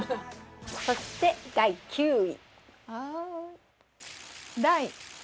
そして第９位。